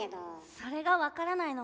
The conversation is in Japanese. それが分からないの。